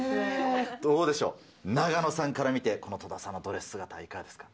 どうでしょう、永野さんから見て、この戸田さんのドレス姿いかがですか？